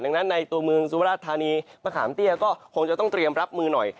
ดังนั้นในตัวเมืองสุราชธานีมะขามเตี้ยก็คงจะต้องเตรียมรับมือหน่อย